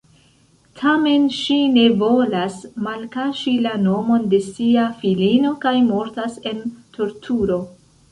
Tamen ŝi ne volas malkaŝi la nomon de sia filino kaj mortas en torturo.